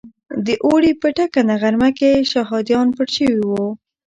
د اوړي په ټکنده غرمه کې شهادیان پټ شوي وو.